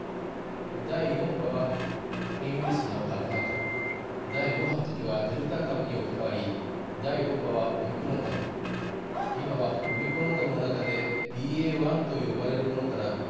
第４波は変異ウイルスのアルファ株第５波のときはデルタ株に置き換わり第６波はオミクロン株今はオミクロン株の中でＢＡ．１と呼ばれるものからＢＡ